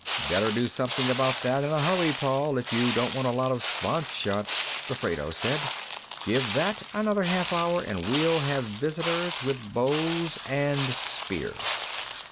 "Better do something about that in a hurry, Paul, if you don't want a lot of Svants shot," Gofredo said. "Give that another half hour and we'll have visitors, with bows and spears."